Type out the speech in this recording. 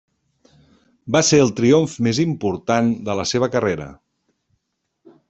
Va ser el triomf més important de la seva carrera.